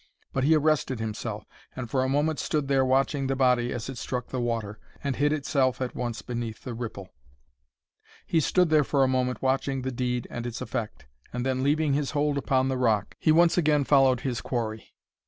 But he arrested himself, and for a moment stood there watching the body as it struck the water, and hid itself at once beneath the ripple. He stood there for a moment watching the deed and its effect, and then leaving his hold upon the rock, he once again followed his quarry.